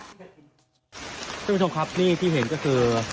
คุณผู้ชมครับนี่ที่เห็นก็คือ